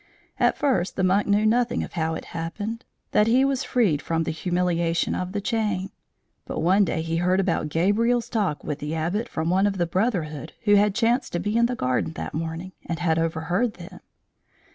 At first the monk knew nothing of how it happened that he was freed from the humiliation of the chain; but one day he heard about Gabriel's talk with the Abbot from one of the brotherhood who had chanced to be in the garden that morning, and had overheard them.